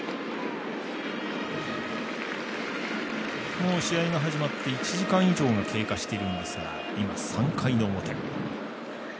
もう試合が始まって１時間以上が経過しているんですが今、３回の表。